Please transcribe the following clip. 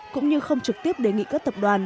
cũng như không trực tiếp đề nghị các tập đoàn